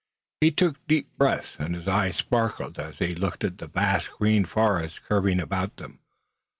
He took deep breaths, and his eyes sparkled as he looked at the vast green forest curving about them.